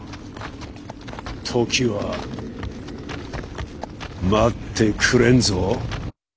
時は待ってくれんぞ。